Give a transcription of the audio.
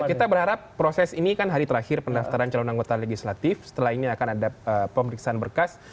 kita berharap proses ini kan hari terakhir pendaftaran calon anggota legislatif setelah ini akan ada pemeriksaan berkas